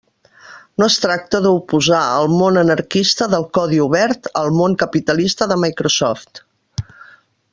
No es tracta d'oposar el món anarquista del codi obert al món capitalista de Microsoft.